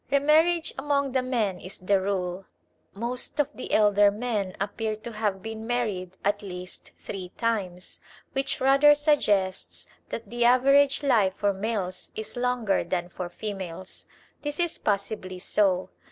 Re marriage among the men is the rule. Most of the elder men appear to have been married at least three times, which rather suggests that the average life for males is longer than for females. This is possibly so.